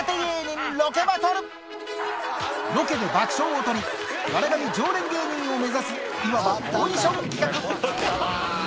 ロケで爆笑を取り『笑神』常連芸人を目指すいわばオーディション企画